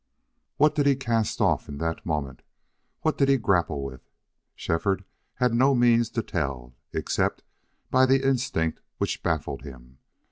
What did he cast off in that moment? What did he grapple with? Shefford had no means to tell, except by the instinct which baffled him.